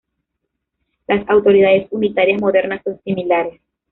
Las autoridades unitarias modernas son similares.